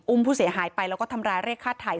อุ้มผู้เสียหายไปแล้วก็ทำรายเลขข้าทาย